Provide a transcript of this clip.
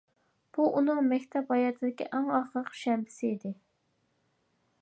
بۇ ئۇنىڭ مەكتەپ ھاياتىدىكى ئەڭ ئاخىرقى شەنبىسى ئىدى.